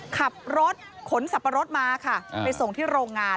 ขับรถขนสับปะรดมาค่ะไปส่งที่โรงงาน